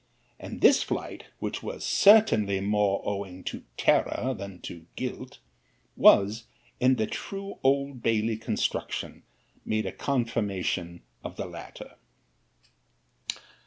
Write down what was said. And this flight, which was certainly more owing to terror than guilt, was, in the true Old Bailey construction, made a confirmation of the latter.